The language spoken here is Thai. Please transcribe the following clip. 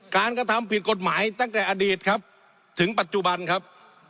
กระทำผิดกฎหมายตั้งแต่อดีตครับถึงปัจจุบันครับ